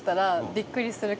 びっくりする。